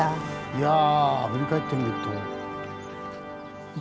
いや振り返ってみると。